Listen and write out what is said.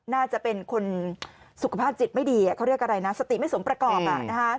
น่าจะเป็นคนสุขภาพจิตไม่ดีเขาเรียกอะไรนะสติไม่สมประกอบ